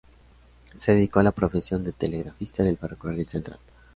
Se dedicó a la profesión de telegrafista del Ferrocarril Central.